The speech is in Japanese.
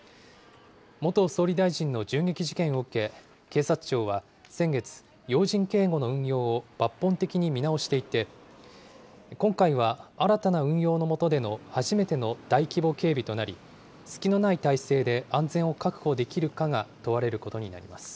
元総理大臣の銃撃事件を受け、警察庁は先月、要人警護の運用を抜本的に見直していて、今回は新たな運用の下での初めての大規模警備となり、隙のない態勢で安全を確保できるかが問われることになります。